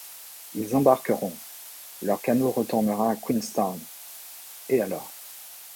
Ils embarqueront... leur canot retournera à Queenstown... et alors...